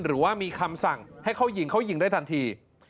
หรือว่ามีคำสั่งให้เขายิงเขายิงได้ทันที